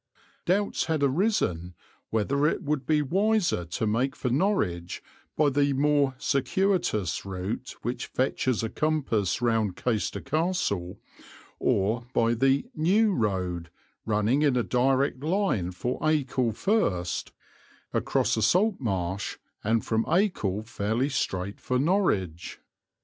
Doubts had arisen whether it would be wiser to make for Norwich by the more circuitous route which fetches a compass round Caister Castle, or by the "new road" running in a direct line for Acle first, across a salt marsh, and from Acle fairly straight for Norwich.